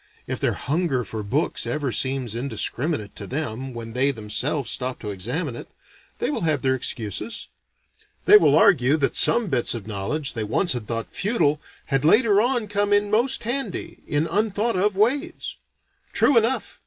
If their hunger for books ever seems indiscriminate to them when they themselves stop to examine it, they will have their excuses. They will argue that some bits of knowledge they once had thought futile, had later on come in most handy, in unthought of ways. True enough!